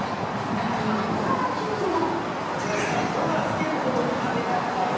中にはこんなランキングも。